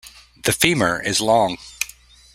The femur is long.